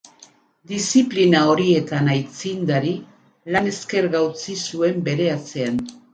Diziplina horietan aitzindari, lan eskerga utzi zuen bere atzean.